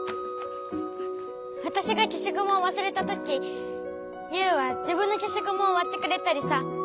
わたしがけしゴムをわすれたときユウはじぶんのけしゴムをわってくれたりさ。